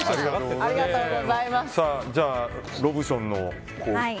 じゃあ、ロブションの。